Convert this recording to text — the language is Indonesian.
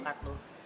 kayaknya gue pasal